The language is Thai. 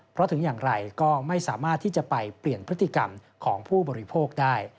เพราะถึงอย่างไรก็ไม่สามารถที่จะไปเปลี่ยนพฤติกรรมของผู้บริโภคได้